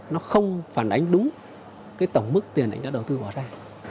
nó không phản ánh đúng cái tổng mức tiền anh đã đầu tư bỏ ra